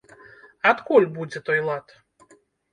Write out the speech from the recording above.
Адкуль будзе той лад?